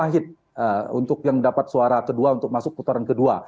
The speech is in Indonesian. mengunjungi pak hidayat nurwahid untuk yang dapat suara kedua untuk masuk putaran kedua